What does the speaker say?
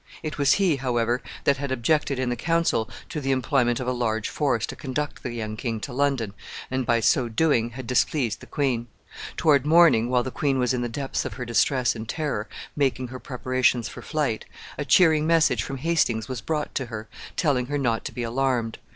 It was he, however, that had objected in the council to the employment of a large force to conduct the young king to London, and, by so doing, had displeased the queen. Toward morning, while the queen was in the depths of her distress and terror, making her preparations for flight, a cheering message from Hastings was brought to her, telling her not to be alarmed.